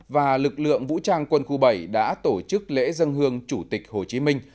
và lực lượng vũ trang quân khu bảy đã tổ chức lễ dân hương chủ tịch hồ chí minh